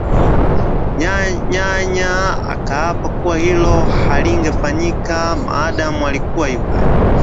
Nyanya akaapa kuwa hilo halingefanyika maadamu alikuwa yu hai